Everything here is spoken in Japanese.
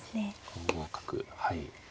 ５五角はい。